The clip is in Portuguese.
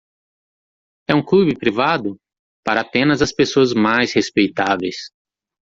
É um clube privado? para apenas as pessoas mais respeitáveis.